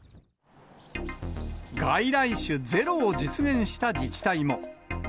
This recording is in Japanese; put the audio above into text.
外来種ゼロを実現した自治体も。